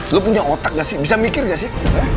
lo punya otak gak sih bisa mikir gak sih